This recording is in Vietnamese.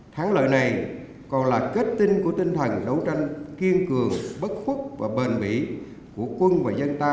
thắng lợi này còn là kết tinh của tinh thần đấu tranh kiên cường bất khuất và bền bỉ của quân và dân ta